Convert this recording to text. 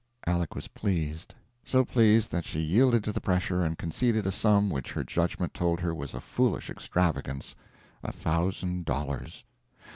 Aleck was pleased; so pleased that she yielded to the pressure and conceded a sum which her judgment told her was a foolish extravagance a thousand dollars.